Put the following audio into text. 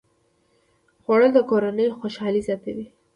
خوړل د کورنۍ خوشالي زیاته وي